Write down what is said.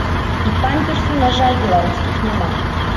І памперсаў, на жаль, беларускіх няма.